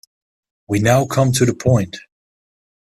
We now come to the point.